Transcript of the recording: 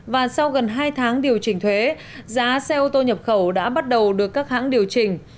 và sau gần hai tháng điều chỉnh thuế giá xe ô tô nhập khẩu đã bắt đầu được các hãng điều chỉnh